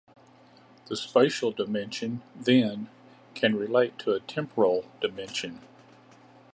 The spatial dimension, then, can relate to a temporal dimension.